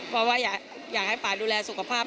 ก็ให้ป๊าดูแลสุขภาพ